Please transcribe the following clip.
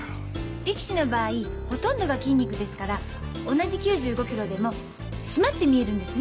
力士の場合ほとんどが筋肉ですから同じ９５キロでも締まって見えるんですね。